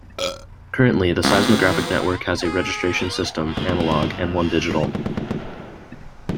Currently the seismographic network has a registration system analog and one digital.